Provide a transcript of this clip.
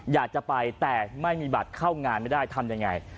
อยากจะไปแต่ไม่มีบัตรเข้างานไม่ได้ทำยังไง